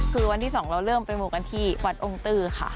คือวันที่๒เราเริ่มไปมูกันที่วัดองค์ตื้อค่ะ